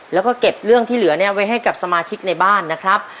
แล้วก็เก็บเรื่องที่เหลือเนี่ยไว้ให้กับสมาชิกในบ้านนะครับ